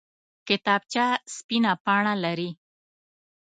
کتابچه سپینه پاڼه لري